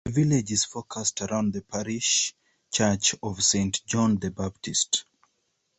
The village is focused around the parish church of Saint John the Baptist.